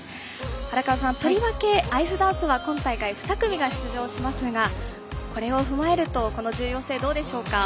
荒川さん、とりわけアイスダンスは２組が出場しますがこれを踏まえるとこの重要性はどうでしょうか？